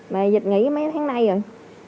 mà dịch nghỉ mấy tháng nay rồi